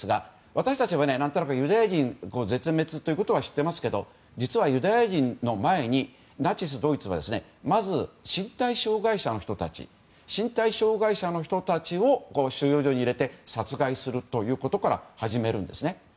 私たちは何となくユダヤ人絶滅ということは知っていますが実はユダヤ人の前にまず、ナチス・ドイツは身体障害者の人たちを収容所に入れて殺害することから始めるんです。